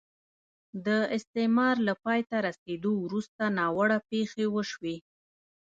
د استعمار له پای ته رسېدو وروسته ناوړه پېښې وشوې.